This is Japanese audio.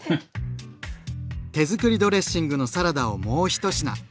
手づくりドレッシングのサラダをもう一品。